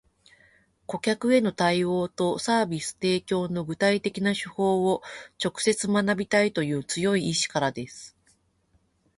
顧客への対応とサービス提供の具体的な手法を直接学びたいという強い意志からです